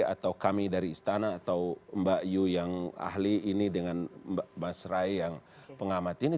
atau kami dari istana atau mbak yu yang ahli ini dengan mbak mas rai yang pengamat ini